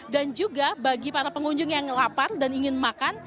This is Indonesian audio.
dan juga bagi para pengunjung yang lapar dan ingin makan